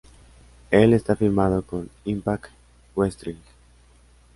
Él está firmado con Impact Wrestling.